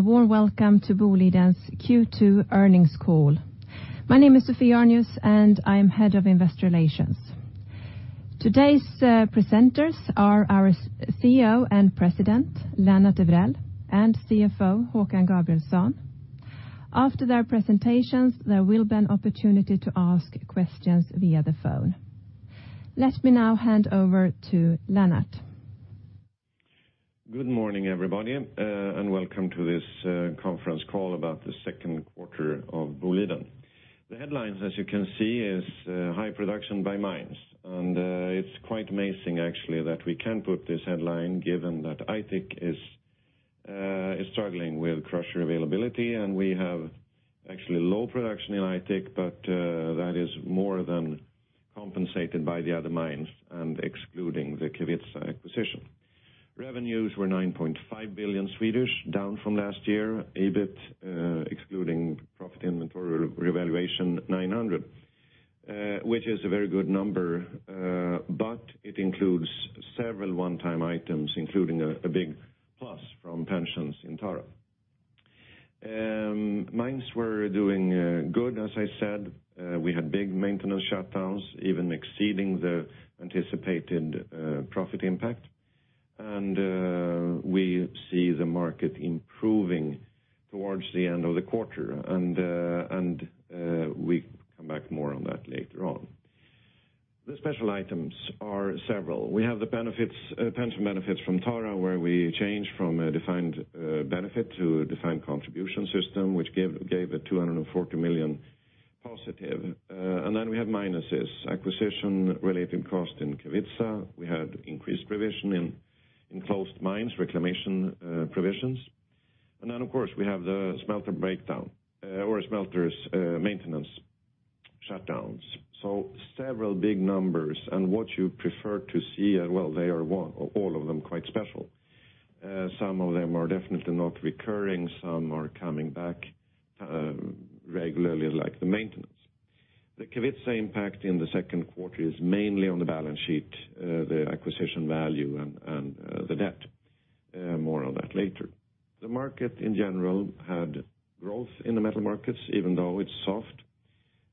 A warm welcome to Boliden's Q2 earnings call. My name is Sophie Arnius, and I am Head of Investor Relations. Today's presenters are our CEO and President, Lennart Evrell, and CFO, Håkan Gabrielsson. After their presentations, there will be an opportunity to ask questions via the phone. Let me now hand over to Lennart. Good morning, everybody, welcome to this conference call about the second quarter of Boliden. The headlines, as you can see, is high production by mines. It's quite amazing actually that we can put this headline given that Aitik is struggling with crusher availability, and we have actually low production in Aitik, but that is more than compensated by the other mines and excluding the Kevitsa acquisition. Revenues were 9.5 billion, down from last year. EBIT, excluding process inventory revaluations, 900 million, which is a very good number but it includes several one-time items, including a big plus from pensions in Tara. Mines were doing good, as I said. We had big maintenance shutdowns, even exceeding the anticipated profit impact. We see the market improving towards the end of the quarter, and we come back more on that later on. The special items are several. We have the pension benefits from Tara, where we changed from a defined benefit to a defined contribution system, which gave a 240 million positive. We have minuses. Acquisition-related cost in Kevitsa. We had increased provision in closed mines, reclamation provisions. Of course, we have the smelter breakdown, or smelters maintenance shutdowns. Several big numbers, and what you prefer to see, well, they are all of them quite special. Some of them are definitely not recurring, some are coming back regularly, like the maintenance. The Kevitsa impact in the second quarter is mainly on the balance sheet, the acquisition value, and the debt. More on that later. The market, in general, had growth in the metal markets, even though it's soft.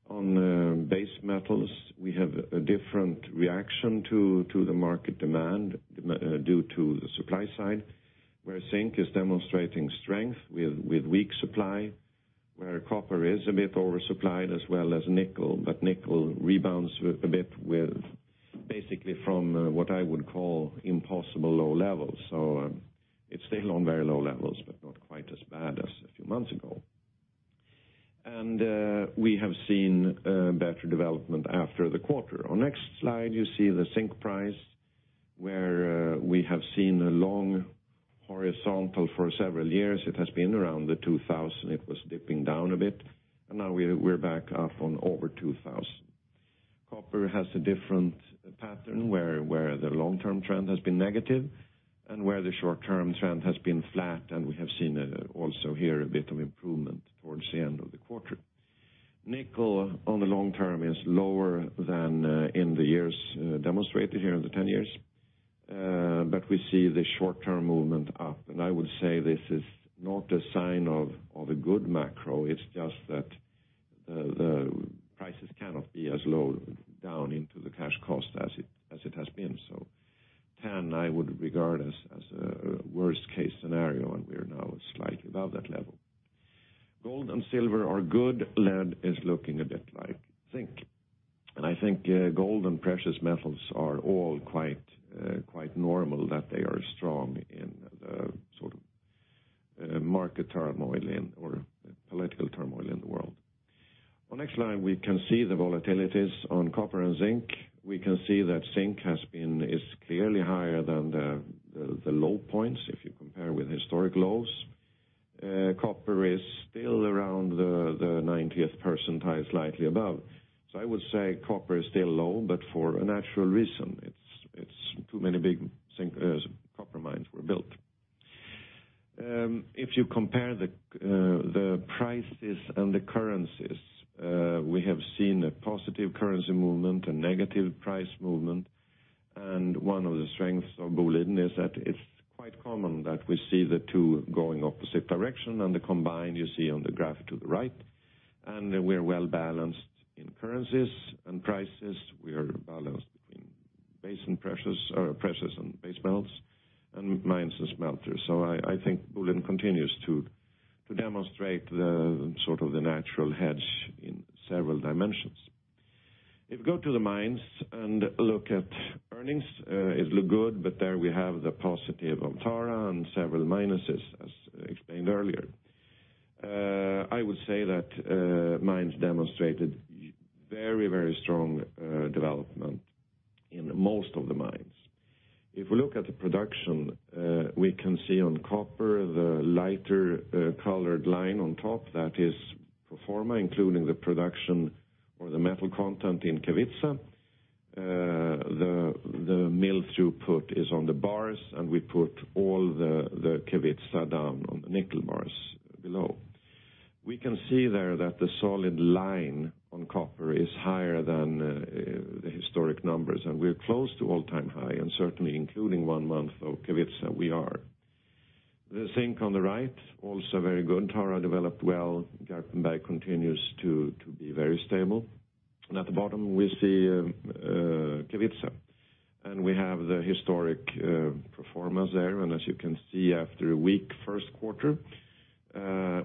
On base metals, we have a different reaction to the market demand due to the supply side, where zinc is demonstrating strength with weak supply, where copper is a bit oversupplied as well as nickel, but nickel rebounds a bit basically from what I would call impossible low levels. It's still on very low levels, but not quite as bad as a few months ago. We have seen better development after the quarter. On next slide, you see the zinc price, where we have seen a long horizontal for several years. It has been around 2,000. It was dipping down a bit, and now we're back up on over 2,000. Copper has a different pattern, where the long-term trend has been negative and where the short-term trend has been flat, and we have seen also here a bit of improvement towards the end of the quarter. Nickel on the long term is lower than in the years demonstrated here in the 10 years. We see the short-term movement up. I would say this is not a sign of a good macro, it's just that the prices cannot be as low down into the cash cost as it has been. 10, I would regard as a worst-case scenario, we're now slightly above that level. Gold and silver are good. Lead is looking a bit like zinc. I think gold and precious metals are all quite normal that they are strong in the sort of market turmoil or political turmoil in the world. On next slide, we can see the volatilities on copper and zinc. We can see that zinc is clearly higher than the low points if you compare with historic lows. Copper is still around the 90th percentile, slightly above. I would say copper is still low, for a natural reason. Too many big copper mines were built. If you compare the prices and the currencies, we have seen a positive currency movement, a negative price movement, one of the strengths of Boliden is that it's quite common that we see the two going opposite direction, the combined you see on the graph to the right. We're well-balanced in currencies and prices. We are balanced between precious and base metals and mines and smelters. I think Boliden continues to demonstrate the sort of the natural hedge in several dimensions. If you go to the mines and look at earnings it look good, there we have the positive of Tara and several minuses as explained earlier. I would say that mines demonstrated very strong development in most of the mines. If we look at the production, we can see on copper, the lighter colored line on top, that is pro forma, including the production or the metal content in Kevitsa. The mill throughput is on the bars, we put all the Kevitsa down on the nickel bars below We can see there that the solid line on copper is higher than the historic numbers, we're close to all-time high, certainly including one month of Kevitsa, we are. The zinc on the right, also very good. Tara developed well, Garpenberg continues to be very stable. At the bottom, we see Kevitsa. We have the historic performance there, as you can see, after a weak first quarter,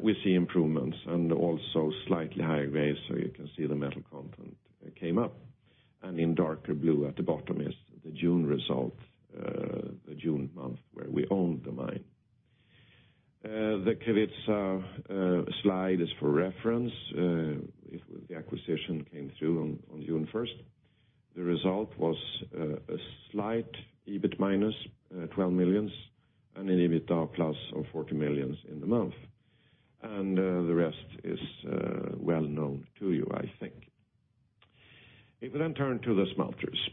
we see improvements also slightly higher grades. You can see the metal content came up. In darker blue at the bottom is the June result, the June month where we owned the mine. The Kevitsa slide is for reference. The acquisition came through on June 1st. The result was a slight EBIT minus 12 million and an EBITDA plus of 40 million in the month. The rest is well known to you, I think. If we turn to the smelters.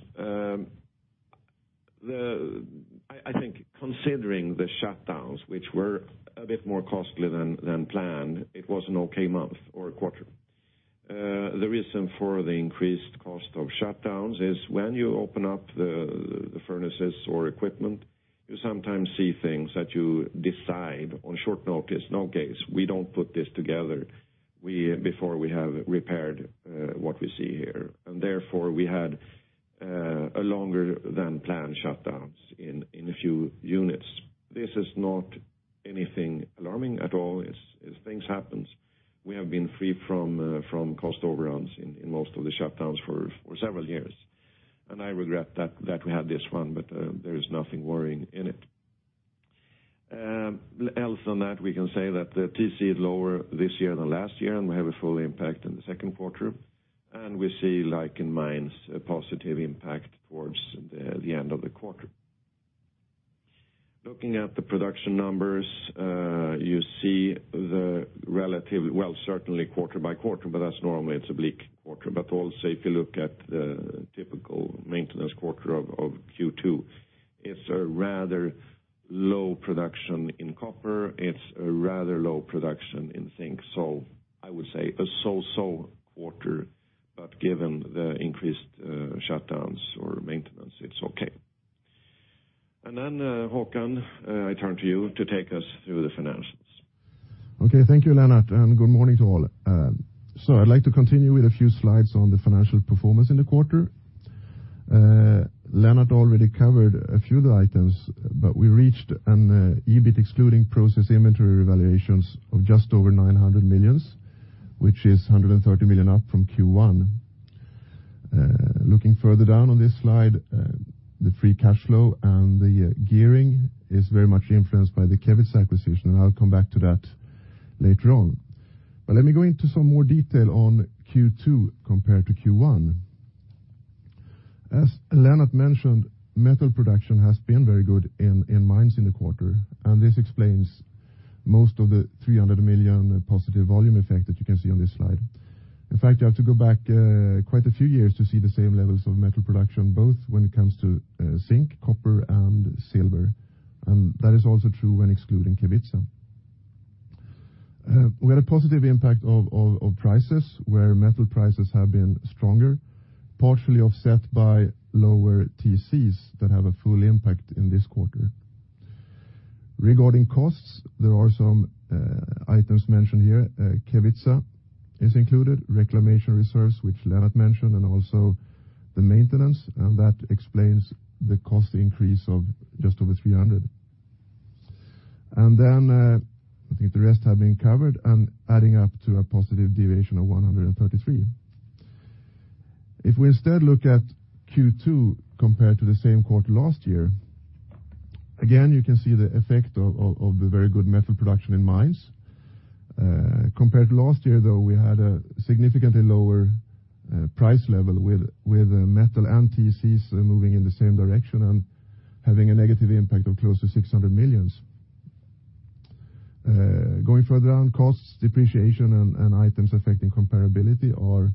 I think considering the shutdowns, which were a bit more costly than planned, it was an okay month or quarter. The reason for the increased cost of shutdowns is when you open up the furnaces or equipment, you sometimes see things that you decide on short notice, "No case. We don't put this together before we have repaired what we see here." Therefore, we had a longer than planned shutdowns in a few units. This is not anything alarming at all, as things happens. We have been free from cost overruns in most of the shutdowns for several years. I regret that we had this one, but there is nothing worrying in it. Else than that, we can say that the TC is lower this year than last year. We have a full impact in the second quarter, and we see, like in mines, a positive impact towards the end of the quarter. Looking at the production numbers, you see the relative, certainly quarter-by-quarter, but that's normally it's a bleak quarter. Also, if you look at the typical maintenance quarter of Q2, it's a rather low production in copper. It's a rather low production in zinc. I would say a so-so quarter, but given the increased shutdowns or maintenance, it's okay. Håkan, I turn to you to take us through the financials. Okay. Thank you, Lennart, good morning to all. I'd like to continue with a few slides on the financial performance in the quarter. Lennart already covered a few of the items. We reached an EBIT excluding process inventory revaluations of just over 900 million, which is 130 million up from Q1. Looking further down on this slide, the free cash flow and the gearing is very much influenced by the Kevitsa acquisition. I'll come back to that later on. Let me go into some more detail on Q2 compared to Q1. As Lennart mentioned, metal production has been very good in mines in the quarter. This explains most of the 300 million positive volume effect that you can see on this slide. In fact, you have to go back quite a few years to see the same levels of metal production, both when it comes to zinc, copper, and silver. That is also true when excluding Kevitsa. We had a positive impact of prices where metal prices have been stronger, partially offset by lower TCs that have a full impact in this quarter. Regarding costs, there are some items mentioned here. Kevitsa is included, reclamation reserves, which Lennart mentioned, also the maintenance. That explains the cost increase of just over 300. I think the rest have been covered and adding up to a positive deviation of 133. If we instead look at Q2 compared to the same quarter last year, again, you can see the effect of the very good metal production in mines. Compared to last year, though, we had a significantly lower price level with metal and TCs moving in the same direction and having a negative impact of close to 600 million. Going further down, costs, depreciation, and items affecting comparability are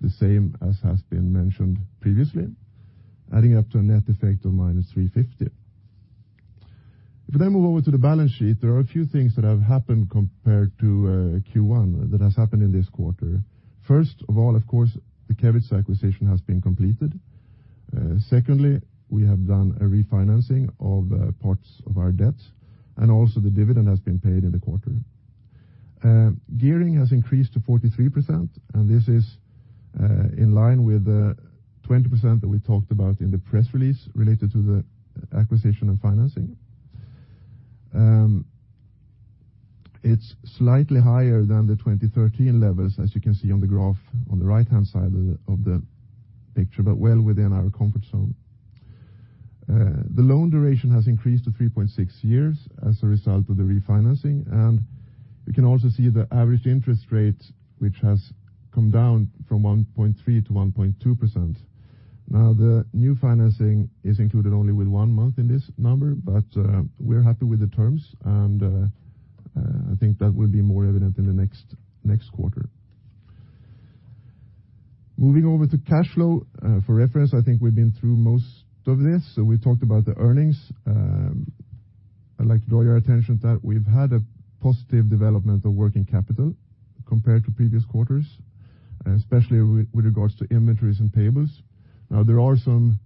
the same as has been mentioned previously, adding up to a net effect of minus 350. We then move over to the balance sheet, there are a few things that have happened compared to Q1 that has happened in this quarter. First of all, of course, the Kevitsa acquisition has been completed. Secondly, we have done a refinancing of parts of our debt. Also the dividend has been paid in the quarter. Gearing has increased to 43%, and this is in line with the 20% that we talked about in the press release related to the acquisition and financing. It's slightly higher than the 2013 levels, as you can see on the graph on the right-hand side of the picture, but well within our comfort zone. The loan duration has increased to 3.6 years as a result of the refinancing. We can also see the average interest rate, which has come down from 1.3% to 1.2%. The new financing is included only with one month in this number, but we're happy with the terms, and I think that will be more evident in the next quarter. Moving over to cash flow. For reference, I think we've been through most of this. We've talked about the earnings. I'd like to draw your attention to that we've had a positive development of working capital compared to previous quarters, especially with regards to inventories and payables. There are some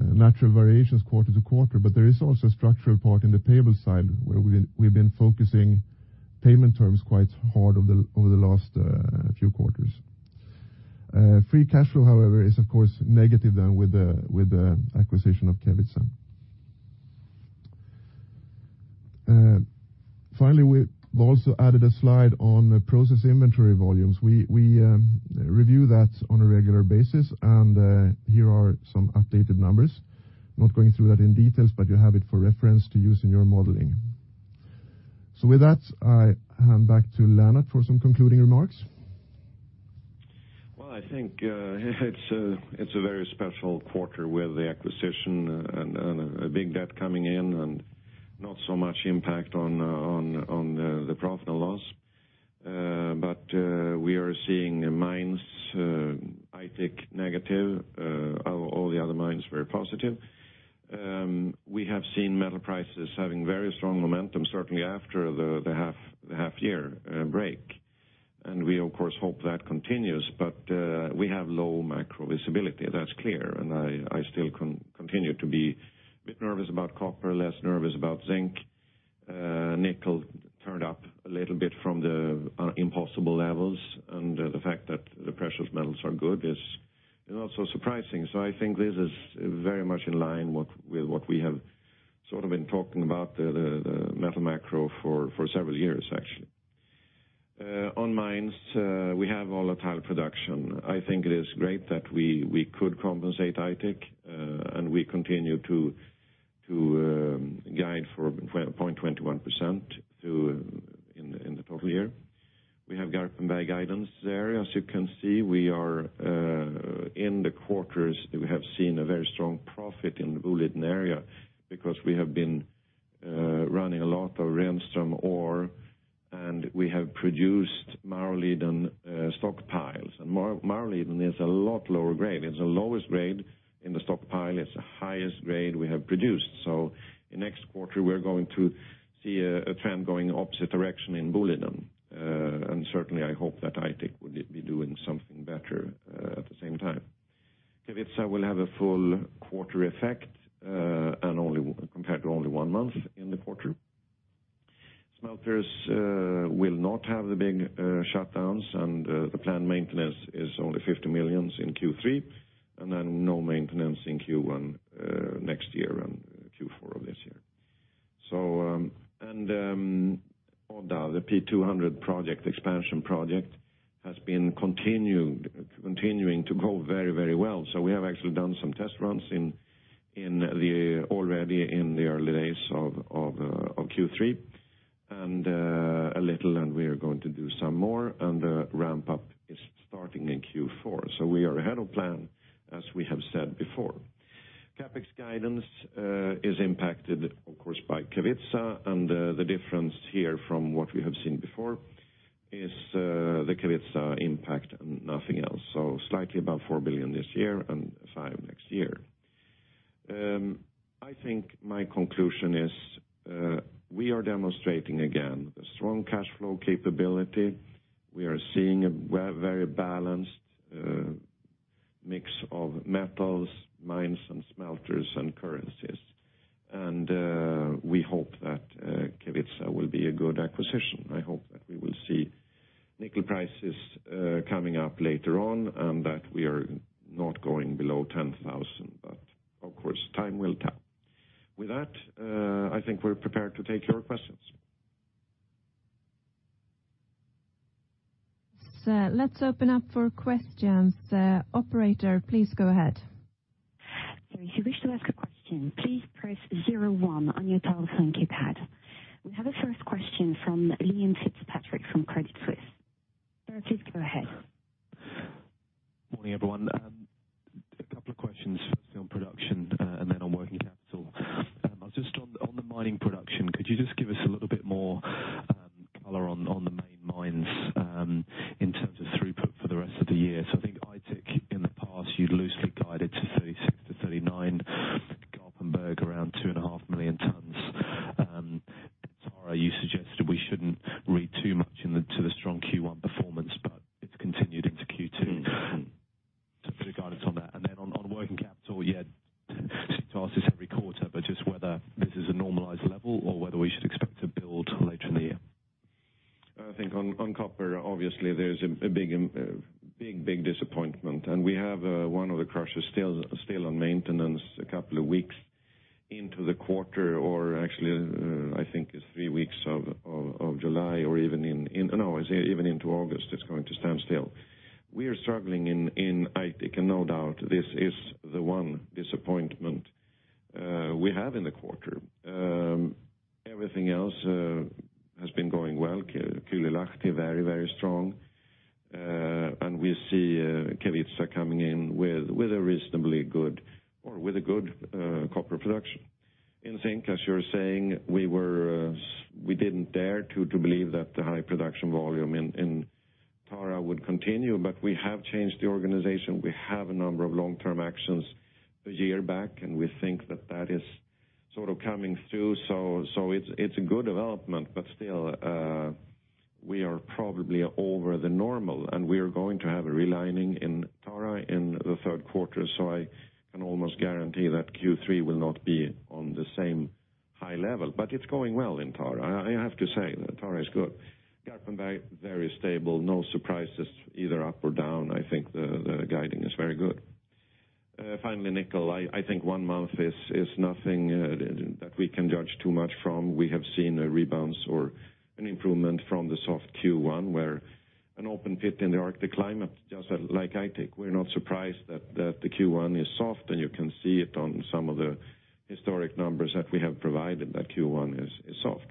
natural variations quarter to quarter, but there is also a structural part in the payable side where we've been focusing payment terms quite hard over the last few quarters. Free cash flow, however, is of course negative then with the acquisition of Kevitsa. Finally, we've also added a slide on process inventory volumes. We review that on a regular basis, and here are some updated numbers. Not going through that in details, but you have it for reference to use in your modeling. With that, I hand back to Lennart for some concluding remarks. I think it's a very special quarter with the acquisition and a big debt coming in and not so much impact on the profit and loss. We are seeing mines, Aitik negative, all the other mines very positive. We have seen metal prices having very strong momentum, certainly after the half-year break. We of course hope that continues, but we have low macro visibility. That's clear, and I still continue to be a bit nervous about copper, less nervous about zinc. Nickel turned up a little bit from the impossible levels, and the fact that the precious metals are good is not so surprising. I think this is very much in line with what we have sort of been talking about the metal macro for several years, actually. On mines, we have volatile production. I think it is great that we could compensate Aitik. We continue to guide for 0.21% in the total year. We have Garpenberg guidance there. As you can see, we are in the quarters, we have seen a very strong profit in Boliden area because we have been running a lot of Renström ore. We have produced Maurliden stockpiles. Maurliden is a lot lower grade. It's the lowest grade in the stockpile. It's the highest grade we have produced. In next quarter, we're going to see a trend going opposite direction in Boliden. Certainly, I hope that Aitik would be doing something better at the same time. Kevitsa will have a full quarter effect compared to only one month in the quarter. Smelters will not have the big shutdowns. The planned maintenance is only 50 million in Q3. No maintenance in Q1 next year and Q4 of this year. Odda, the P200 expansion project has been continuing to go very, very well. We have actually done some test runs already in the early days of Q3 a little. We are going to do some more. The ramp-up is starting in Q4. We are ahead of plan, as we have said before. CapEx guidance is impacted, of course, by Kevitsa. The difference here from what we have seen before is the Kevitsa impact and nothing else. Slightly above 4 billion this year and 5 billion next year. I think my conclusion is we are demonstrating again a strong free cash flow capability. We are seeing a very balanced mix of metals, mines and smelters and currencies. We hope that Kevitsa will be a good acquisition. I hope that we will see nickel prices coming up later on and that we are not going below $10,000. Of course, time will tell. With that, I think we're prepared to take your questions. Let's open up for questions. Operator, please go ahead. If you wish to ask a question, please press 01 on your telephone keypad. We have a first question from Liam Fitzpatrick from Credit Suisse. Sir, please go ahead. Morning, everyone. A couple of questions, firstly on production and then on working capital. Just on the mining production, could you just give us a little bit more color on the main mines in terms of throughput for the rest of the year? I think Aitik in the past, you loosely guided to 36 to 39, Garpenberg around two and a half million tons. Tara, you suggested we shouldn't read too much into the strong Q1 performance, but it's continued into Q2. For the guidance on that. On working capital, yeah, I seem to ask this every quarter, but just whether this is a normalized level or whether we should expect to build later in the year. I think on copper, obviously, there's a big disappointment. We have one of the crushers still on maintenance a couple of weeks into the quarter or actually, I think it's three weeks of July or even into August, it's going to stand still. We are struggling in Aitik and no doubt this is the one disappointment we have in the quarter. Everything else has been going well. Kylylahti, very, very strong. We see Kevitsa coming in with a reasonably good or with a good copper production. In zinc, as you're saying, we didn't dare to believe that the high production volume in Tara would continue, but we have changed the organization. We have a number of long-term actions a year back. We think that that is sort of coming through. It's a good development, but still, we are probably over the normal. We are going to have a realigning in Tara in the third quarter. I can almost guarantee that Q3 will not be on the same high level. It's going well in Tara. I have to say that Tara is good. Garpenberg, very stable, no surprises either up or down. I think the guiding is very good. Finally, nickel. I think one month is nothing that we can judge too much from. We have seen a rebound or an improvement from the soft Q1 where an open pit in the Arctic climate, just like Aitik, we're not surprised that the Q1 is soft. You can see it on some of the historic numbers that we have provided that Q1 is soft.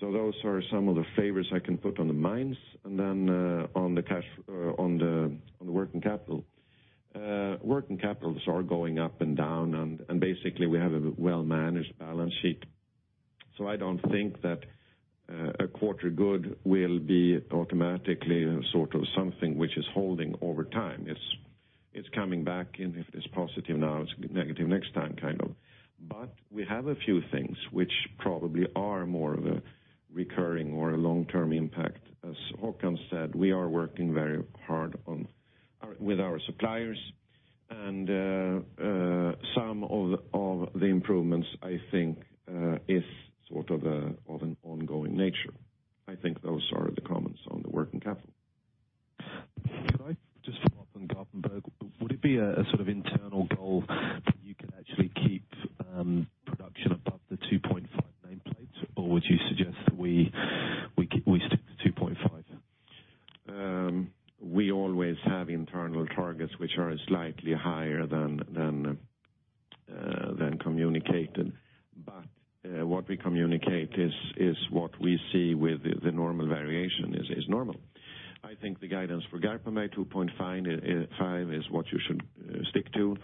Those are some of the favors I can put on the mines. On the working capital. Working capitals are going up and down. We have a well-managed balance sheet. I don't think that a quarter good will be automatically something which is holding over time. It's coming back. If it's positive now, it's negative next time, kind of. We have a few things which probably are more of a recurring or a long-term impact. As Håkan said, we are working very hard with our suppliers. Some of the improvements, I think is sort of an ongoing nature. I think those are the comments on the working capital. Could I just follow up on Garpenberg? Would it be a sort of internal goal that you could actually keep production above the 2.5 nameplates, or would you suggest that we stick to 2.5? We always have internal targets which are slightly higher than communicated. What we communicate is what we see with the normal variation is normal. I think the guidance for Garpenberg 2.5 is what you should stick to.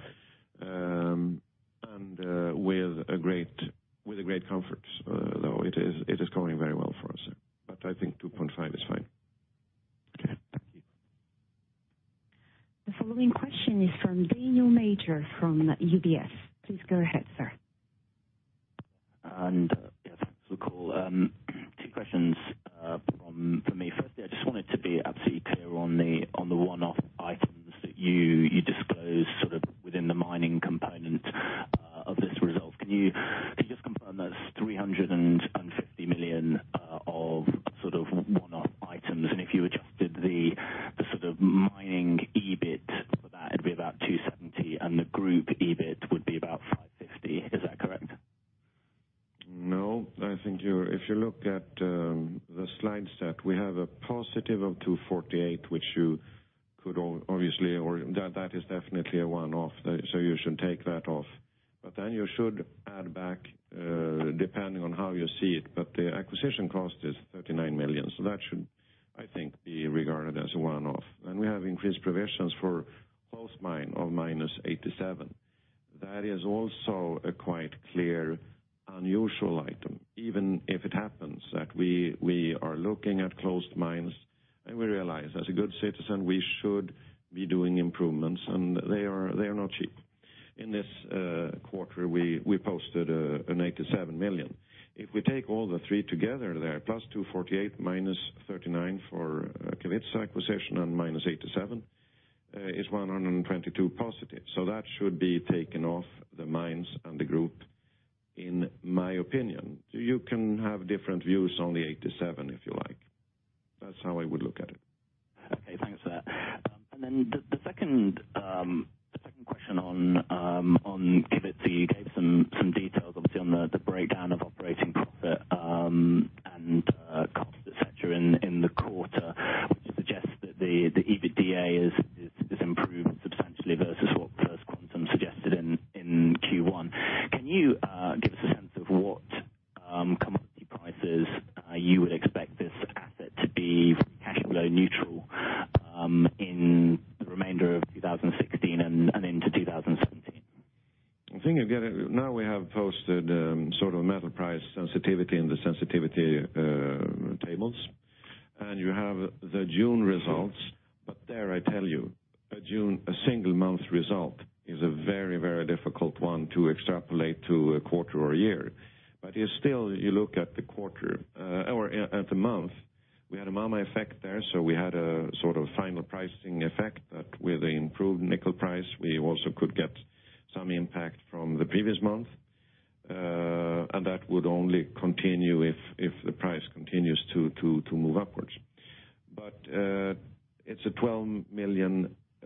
With a great comfort, though it is going very well for us. I think 2.5 is fine. Okay. Thank you. The following question is from Daniel Major from UBS. Please go ahead, sir. Yeah, thanks for the call. Two questions from me. Firstly, I just wanted to be absolutely clear on the one-off items that you disclosed sort of within the mining component of this result. Can you just confirm that's SEK 350 million of sort of one-off items, and if you adjusted the sort of mining EBIT for that, it'd be about SEK 270, and the group EBIT would be about SEK 550. Is that correct? No. I think if you look at the slide set, we have a positive of 248, which you could obviously That is definitely a one-off, you should take that off. Then you should add back, depending on how you see it, but the acquisition cost is 39 million. That should, I think, be regarded as a one-off. We have increased provisions for post mine of minus 87. That is also a quite clear unusual item, even if it happens that we are looking at closed mines and we realize, as a good citizen, we should be doing improvements, and they are not cheap. In this quarter, we posted an 87 million. If we take all the three together there, plus 248, minus 39 for Kevitsa acquisition and minus 87 is 122 positive. That should be taken off the mines and the group in my opinion. You can have different views on the 87, if you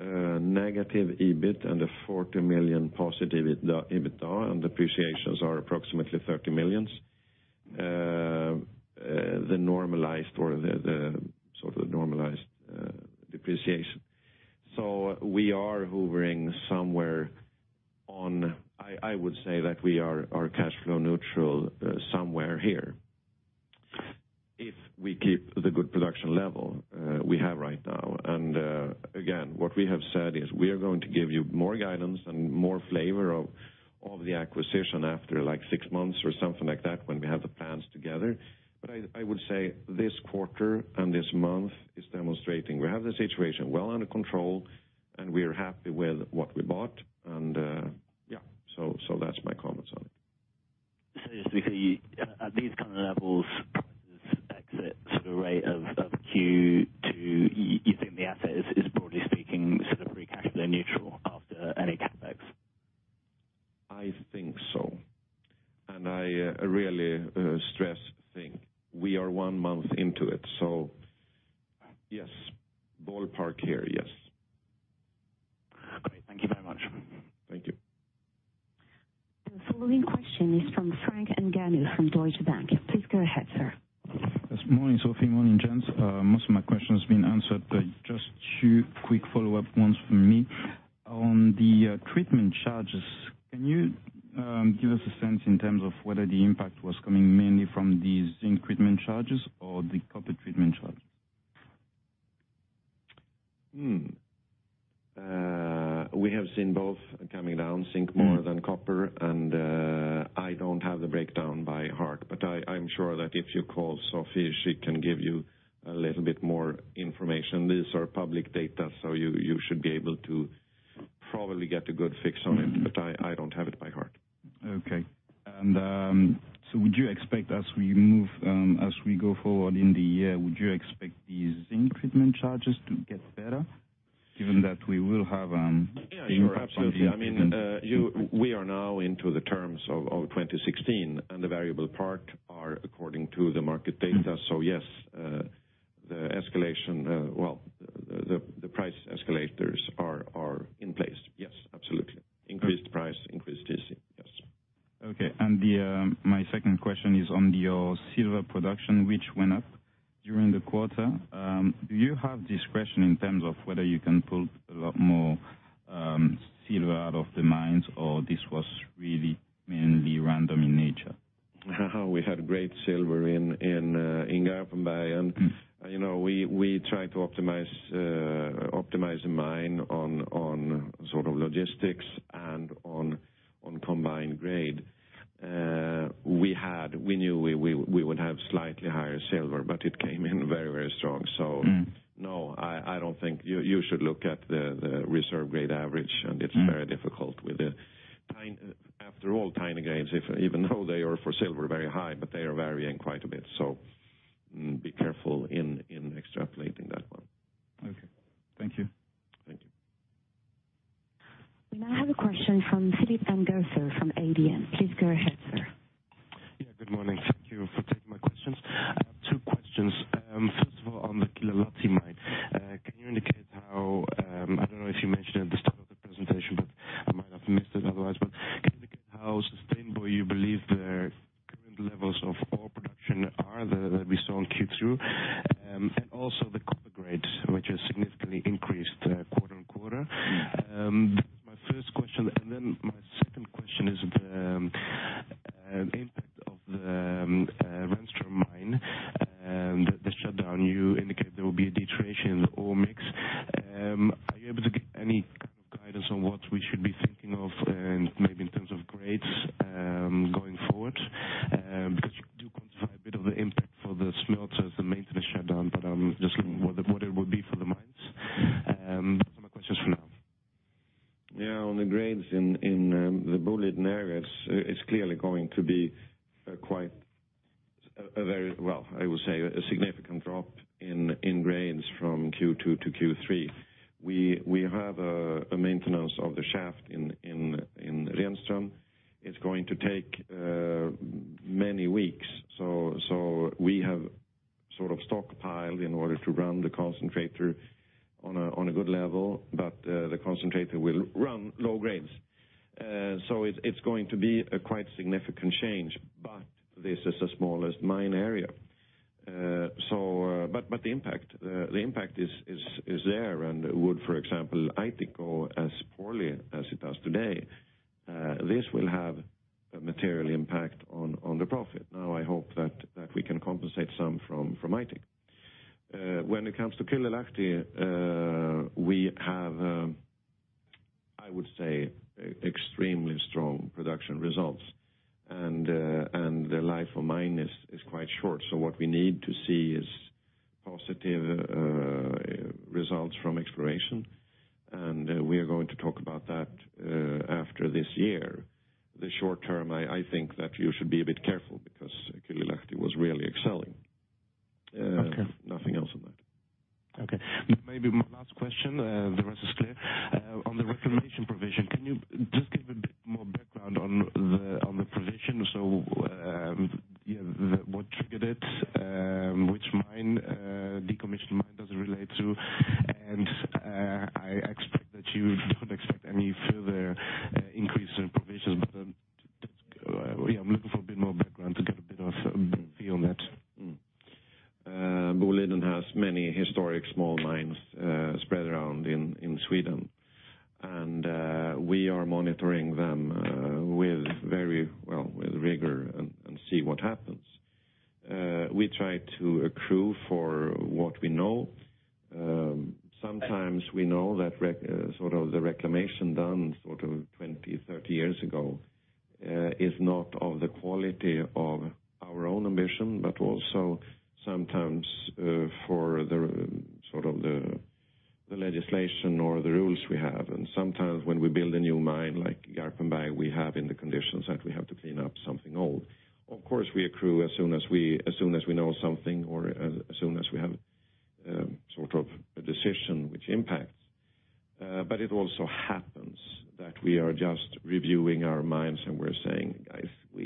negative EBIT and a 40 million positive EBITDA, and depreciations are approximately 30 million, the normalized or the sort of normalized depreciation. We are hovering somewhere on I would say that we are cash flow neutral somewhere here. If we keep the good production level we have right now. Again, what we have said is we are going to give you more guidance and more flavor of the acquisition after six months or something like that when we have the plans together. I would say this quarter and this month is demonstrating we have the situation well under control, and we are happy with what we bought. Yeah. That's my comments on it. Just because at these kind of levels, prices exit sort of rate of Q2, you think the asset is broadly speaking, sort of free cash flow neutral after any CapEx? I think so. I really stress think. We are one month into it. Yes, ballpark here. Yes. and on combined grade. We knew we would have slightly higher silver, but it came in very strong. No, I don't think you should look at the reserve grade average, and it's very difficult with the extremely strong production results and the life of mine is quite short. What we need to see is positive results from exploration. We are going to talk about that after this year. The short term, I think that you should be a bit careful because Kylylahti was really excelling. Okay. Nothing else on that. Okay. Maybe my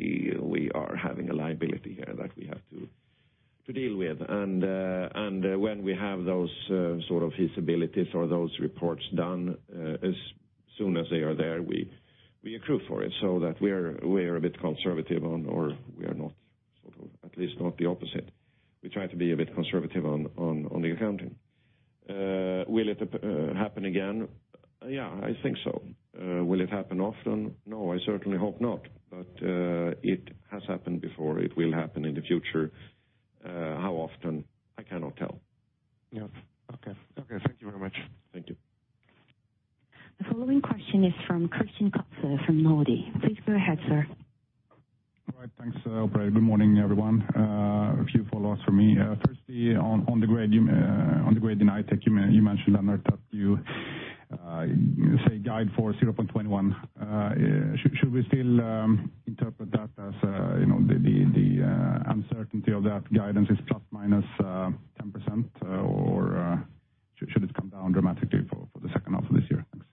"Guys, we are having a liability here that we have to deal with." When we have those feasibilities or those reports done, as soon as they are there, we accrue for it so that we are a bit conservative or we are at least not the opposite. We try to be a bit conservative on the accounting. Will it happen again? Yeah, I think so. Will it happen often? No, I certainly hope not. It has happened before. It will happen in the future. How often? I cannot tell. Yep. Okay. Thank you very much. Thank you. The following question is from Christian Kopfer from Nordea. Please go ahead, sir. All right. Thanks, operator. Good morning, everyone. A few follow-ups from me. Firstly, on the grade in Aitik, you mentioned, Lennart, that you say guide for 0.21. Should we still interpret that as the uncertainty of that guidance is ±10%? Should it come down dramatically for the second half of this year? Thanks.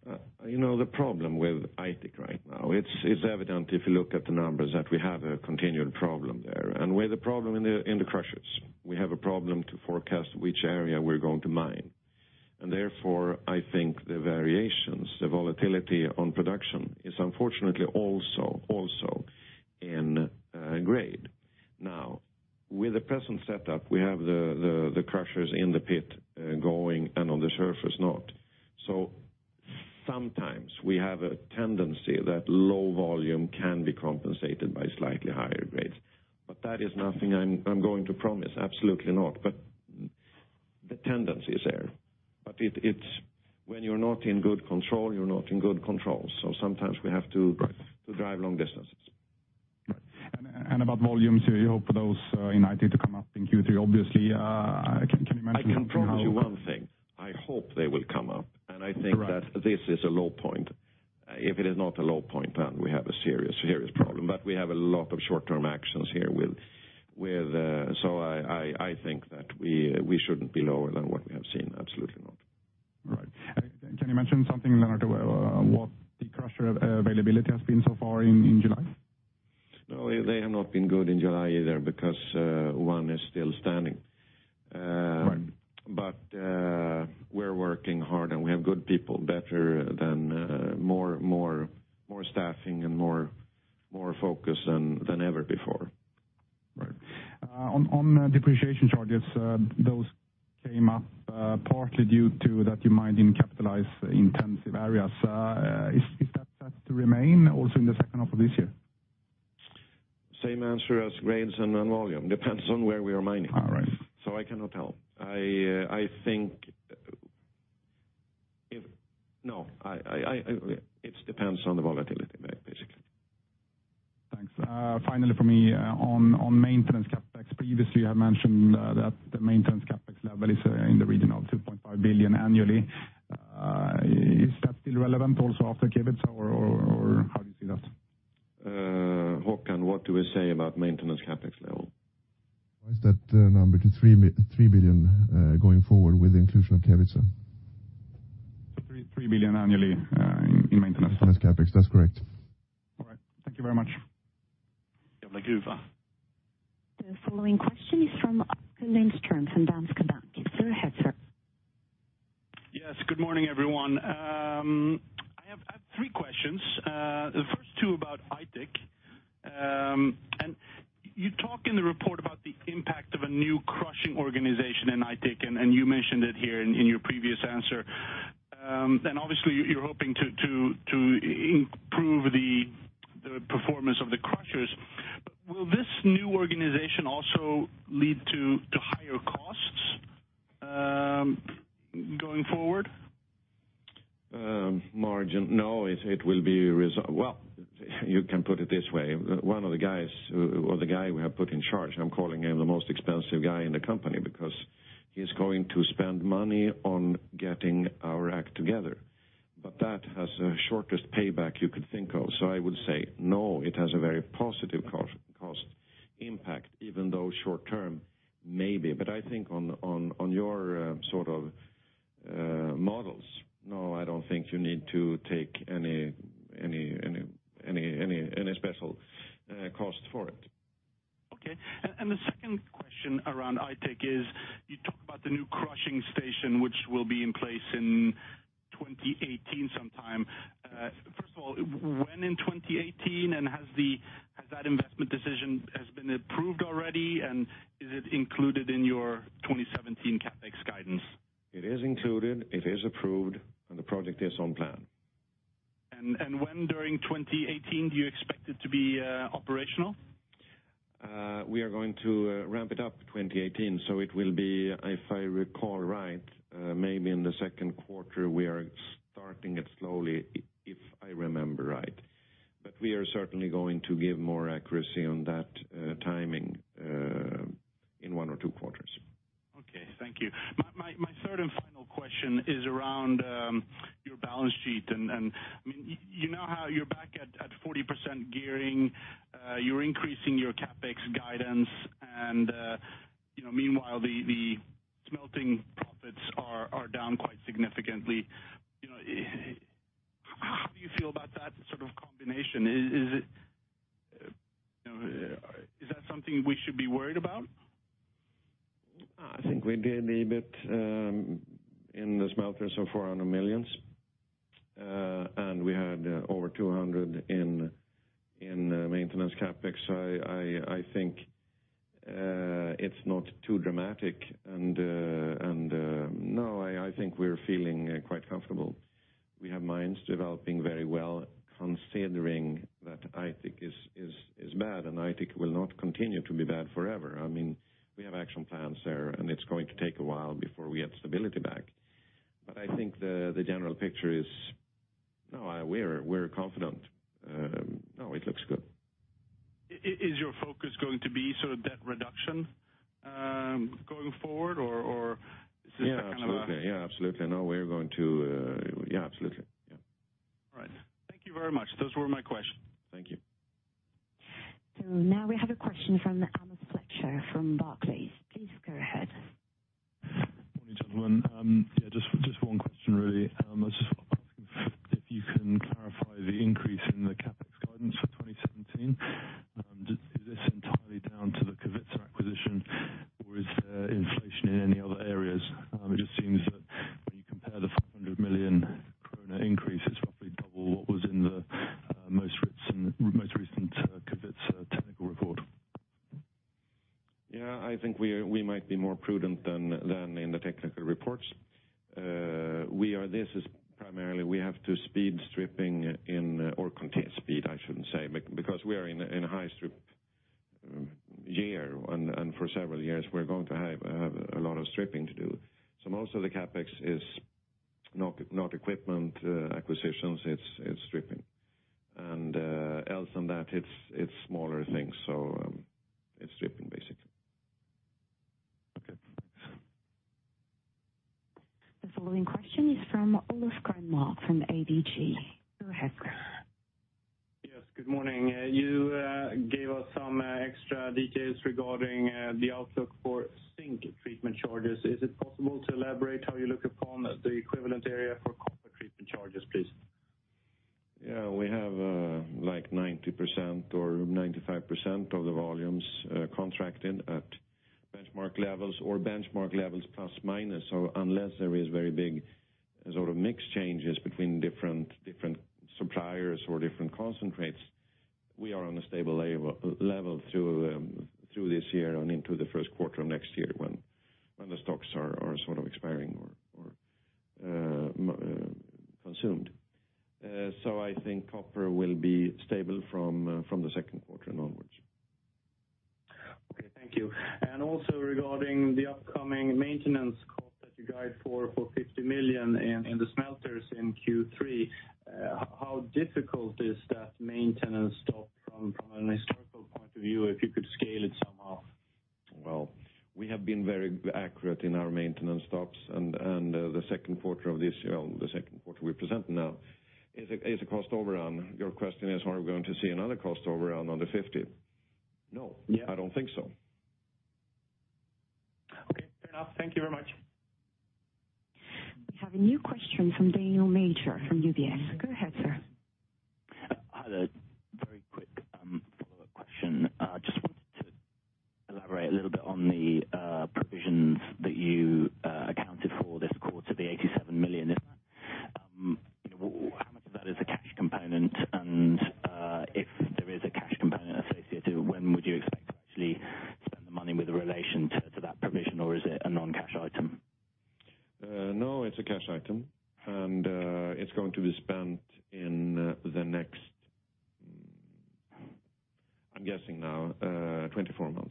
The problem with Aitik right now, it's evident if you look at the numbers that we have a continual problem there. We have a problem in the crushers. We have a problem to forecast which area we're going to mine. Therefore, I think the variations, the volatility on production is unfortunately also in grade. Now, with the present setup, we have the crushers in the pit going and on the surface not. Sometimes we have a tendency that low volume can be compensated by slightly higher grades. That is nothing I'm going to promise. Absolutely not. The tendency is there. When you're not in good control, you're not in good control. Sometimes we have to- Right drive long distances. Right. About volumes, you hope those in Aitik to come up in Q3, obviously. Can you mention how- I can promise you one thing. I hope they will come up. Right. I think that this is a low point. If it is not a low point, we have a serious problem. We have a lot of short-term actions here with I think that we shouldn't be lower than what we have seen. Absolutely not. Right. Can you mention something, Lennart, what the crusher availability has been so far in July? No, they have not been good in July either because one is still standing. Right. We're working hard and we have good people, better than more staffing and more focus than ever before. Right. Depreciation charges, those came up partly due to that you're mining capital-intensive areas. Is that set to remain also in the second half of this year? Same answer as grades and on volume. Depends on where we are mining. Right. I cannot tell. No, it depends on the volatility basically. Thanks. Finally from me, on maintenance CapEx, previously you have mentioned that the maintenance CapEx level is in the region of 2.5 billion annually. Is that still relevant also after Kevitsa, or how do you see that? Håkan, what do we say about maintenance CapEx level? Raise that number to 3 billion going forward with the inclusion of Kevitsa. 3 billion annually in maintenance. Maintenance CapEx. That's correct. All right. Thank you very much. The following question is from Oskar Lindström from Danske Bank. Go ahead, sir. Yes, good morning, everyone. I have three questions. The first two about Aitik. You talk in the report about the impact of a new crushing organization in Aitik, and you mentioned it here in your previous answer. Obviously you're hoping to improve the performance of the crushers. Will this new organization also lead to higher costs going forward? Margin. No, it will be, [inaudible] you can put it this way. One of the guys, or the guy we have put in charge, I'm calling him the most expensive guy in the company because he's going to spend money on getting our act together. That has the shortest payback you could think of. I would say no, it has a very positive cost impact, even though short-term maybe. I think on your sort of models, no, I don't think you need to take any special cost for it. Okay. The second question around Aitik is you talk about the new crushing station which will be in place in 2018 sometime. First of all, when in 2018 and has that investment decision been approved already, and is it included in your 2017 CapEx guidance? It is included, it is approved, the project is on plan. When during 2018 do you expect it to be operational? We are going to ramp it up 2018, it will be, if I recall right, maybe in the second quarter, we are starting it slowly, if I remember right. We are certainly going to give more accuracy on that timing second quarter we present now, is a cost overrun. Your question is, are we going to see another cost overrun on the 50? No. Yeah. I don't think so. Okay, fair enough. Thank you very much. We have a new question from Daniel Major from UBS. Go ahead, sir. Hi there. Very quick follow-up question. Just wanted to elaborate a little bit on the provisions that you accounted for this quarter, the SEK 87 million. How much of that is a cash component and if there is a cash component associated, when would you expect to actually spend the money with relation to that provision or is it a non-cash item? No, it's a cash item, and it's going to be spent in the next, I'm guessing now, 24 months.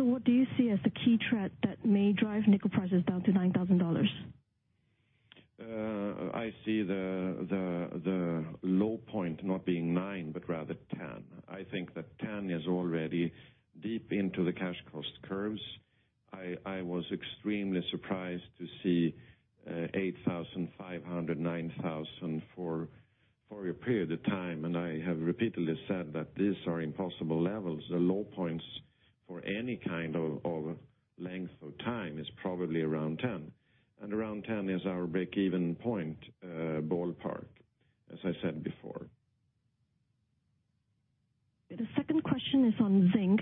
Also, what do you see as the key trend that may drive nickel prices down to $10,000? I see the low point not being nine but rather 10. I think that 10 is already deep into the cash cost curves. I was extremely surprised to see $8,500, $9,000 for a period of time, and I have repeatedly said that these are impossible levels. The low points for any kind of length of time is probably around 10. Around 10 is our break-even point ballpark, as I said before. The second question is on zinc.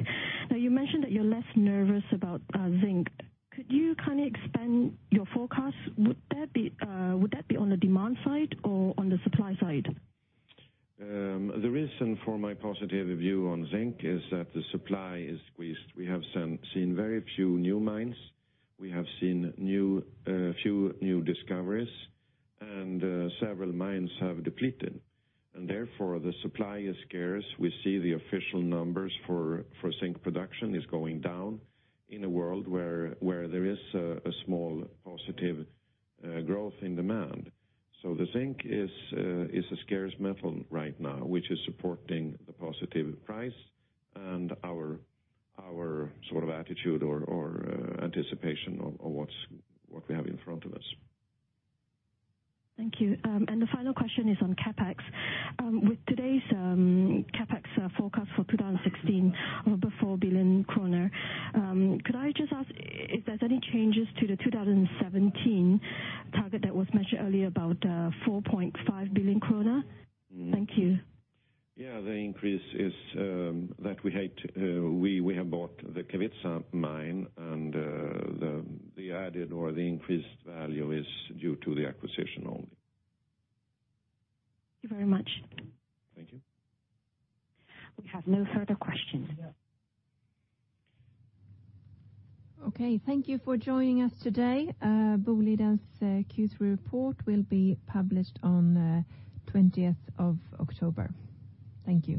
You mentioned that you're less nervous about zinc. Could you expand your forecast? Would that be on the demand side or on the supply side? The reason for my positive view on zinc is that the supply is squeezed. We have seen very few new mines. We have seen few new discoveries and several mines have depleted, and therefore the supply is scarce. We see the official numbers for zinc production is going down in a world where there is a small positive growth in demand. Zinc is a scarce metal right now, which is supporting the positive price and our sort of attitude or anticipation of what we have in front of us. Thank you. The final question is on CapEx. With today's CapEx forecast for 2016 of 4 billion kronor, could I just ask if there's any changes to the 2017 target that was mentioned earlier about 4.5 billion krona? Thank you. Yeah, the increase is that we have bought the Kevitsa mine and the added or the increased value is due to the acquisition only. Thank you very much. Thank you. We have no further questions. Yeah. Okay, thank you for joining us today. Boliden's Q3 report will be published on the 20th of October. Thank you